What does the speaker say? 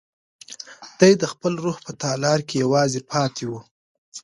دی د خپل روح په تالار کې یوازې پاتې و.